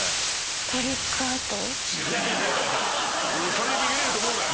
それで逃げられると思うなよ。